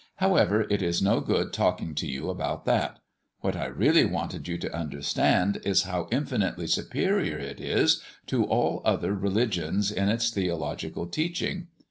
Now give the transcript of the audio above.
However, it is no good talking to you about that; what I really wanted you to understand is how infinitely superior it is to all other religions in its theological teaching.